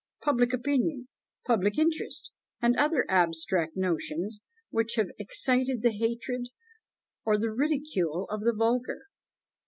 Public Opinion Public Interest;" and other abstract notions, which have excited the hatred or the ridicule of the vulgar.